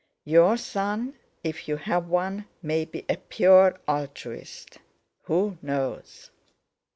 Your son, if you have one, may be a pure altruist; who knows?"